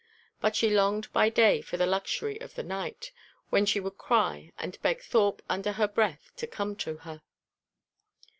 But she longed by day for the luxury of the night, when she could cry, and beg Thorpe under her breath to come to her.